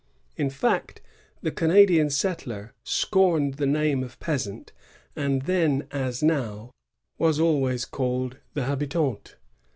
51 In fact, the Canadian settler scorned the name of peasant, and then, as now, was always called the Jiahitant.